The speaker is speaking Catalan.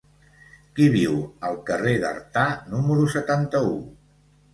Qui viu al carrer d'Artà número setanta-u?